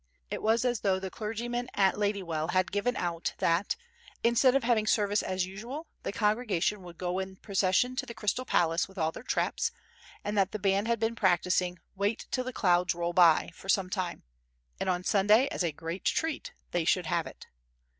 It was as though the clergymen at Ladywell had given out that, instead of having service as usual, the congregation would go in procession to the Crystal Palace with all their traps, and that the band had been practising "Wait till the clouds roll by" for some time, and on Sunday, as a great treat, they should have it.